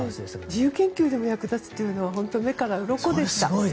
自由研究でも役立つというのは目からうろこでした。